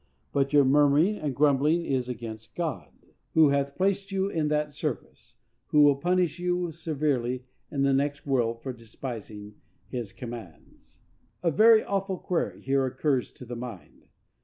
_But your murmuring and grumbling is against God, who hath placed you in that service, who will punish you severely in the next world for despising his commands._ A very awful query here occurs to the mind.